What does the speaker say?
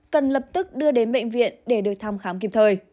cần lập tức đưa đến bệnh viện để được thăm khám kịp thời